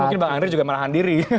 ini mungkin bang andre juga malahan diri